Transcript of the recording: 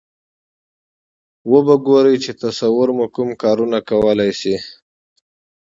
و به ګورئ چې تصور مو کوم کارونه کولای شي.